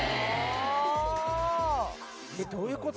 どういう事？